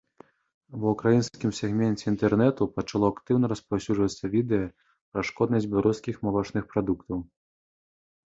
Ва украінскім сегменце інтэрнэту пачало актыўна распаўсюджвацца відэа пра шкоднасць беларускіх малочных прадуктаў.